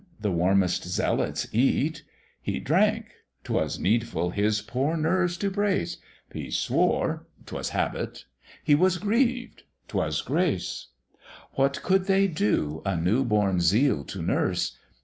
the warmest zealots eat: He drank 'twas needful his poor nerves to brace; He swore 'twas habit; he was grieved 'twas grace: What could they do a new born zeal to nurse?